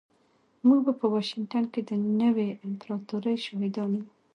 موږ به په واشنګټن کې د نوې امپراتورۍ شاهدان یو